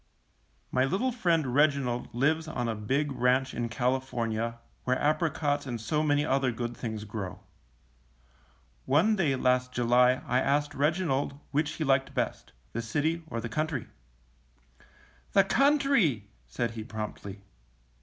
My little friend Reginald lives on a big ranch in California, where apricots and so many other good things grow. One day last July I asked Reginald which he liked best, the city or the country. ^^The country,'^ said he, promptly.